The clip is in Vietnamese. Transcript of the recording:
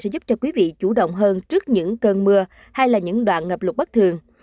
sẽ giúp cho quý vị chủ động hơn trước những cơn mưa hay là những đoạn ngập lục bất thường